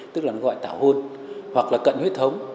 tức là gọi là tảo hôn hoặc là cận huyết thống